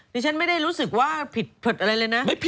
นี่ฉันไม่ได้รู้สึกว่าผิดอะไรเลยนะ